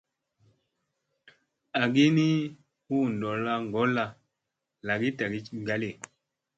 Agi ni hu ɗolla ŋgolla lagi tagi gali.